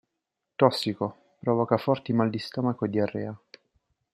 Tossico, provoca forti mal di stomaco e diarrea.